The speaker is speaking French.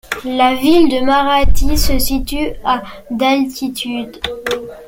La ville de Maradi se situe à d’altitude.